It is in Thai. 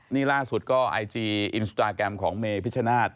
นี่ล่าสุดก็ไอจีอินสตาแกรมของเมพิชนาธิ